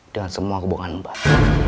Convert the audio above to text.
dengan semua hubungan mbak